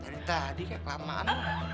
dari tadi kayak kelamaan